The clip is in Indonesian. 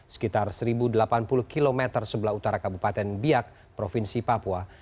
sekitar satu delapan puluh km sebelah utara kabupaten biak provinsi papua